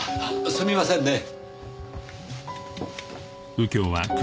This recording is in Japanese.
すみませんね。